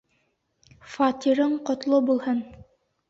Фатирың ҡотло булһын!